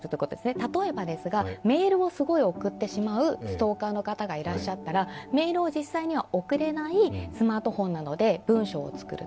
例えばメールをすごい送ってしまうストーカーの方がいらっしゃったらメールを実際には送れないスマートフォンなどで文章を作る。